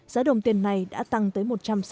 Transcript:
giá đồng tiền này đã tăng tới một trăm sáu mươi